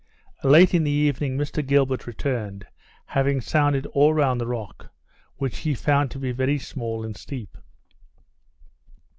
Late in the evening Mr Gilbert returned, having sounded all round the rock, which he found to be very small and steep.